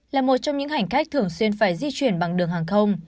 là một trong những hành khách thường xuyên phải di chuyển bằng đường hàng không